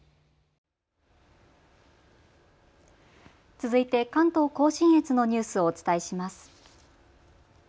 続いて関東甲信越のニュースをお伝えします。